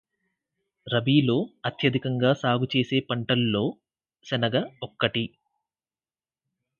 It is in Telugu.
రబీలో అత్యధికంగా సాగు చేసే పంటల్లో శనగ ఒక్కటి.